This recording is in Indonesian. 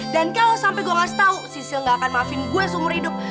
dan kalau sampe gue kasih tau sisil gak akan maafin gue seumur hidup